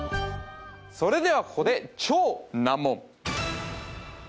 それではここで超難問